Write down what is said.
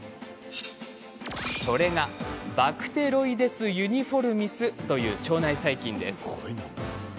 それがバクテロイデス・ユニフォルミスという腸内細菌です。